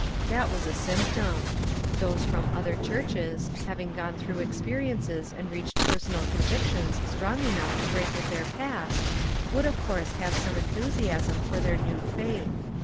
That was a symp tom. Those from other churches, having gone through ex periences and reached personal convictions strong enough to break with their^ast, would of course have some enthusiasm for their new faith.